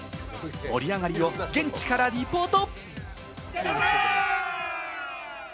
盛り上がりを現地からリポート。